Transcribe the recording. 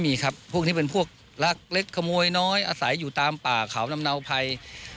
มีครับพวกนี้เป็นพวกรักเล็กขโมยน้อยอาศัยอยู่ตามป่าเขาลำเนาภัย